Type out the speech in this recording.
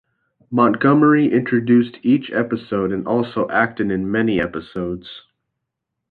Montgomery introduced each episode and also acted in many episodes.